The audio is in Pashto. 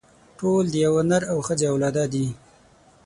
ټول د يوه نر او ښځې اولاده دي.